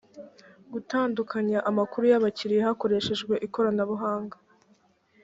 gutandukanya amakuru y’abakiriya hakoreshejwe ikoranabuhanga